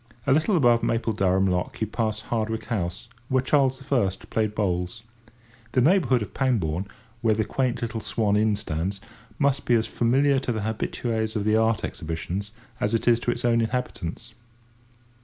A little above Mapledurham lock you pass Hardwick House, where Charles I. played bowls. The neighbourhood of Pangbourne, where the quaint little Swan Inn stands, must be as familiar to the habitues of the Art Exhibitions as it is to its own inhabitants.